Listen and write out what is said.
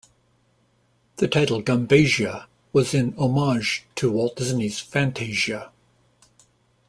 The title "Gumbasia" was in homage to Walt Disney's "Fantasia".